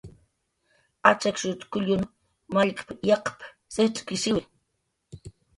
"Achakshut k""ullun mallkp"" yaqp"" sijcx'k""ishiwi."